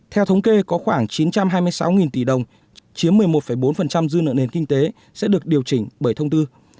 theo thống kê có khoảng chín trăm hai mươi sáu tỷ đồng chiếm một mươi một bốn dư nợ nền kinh tế sẽ được điều chỉnh bởi thông tư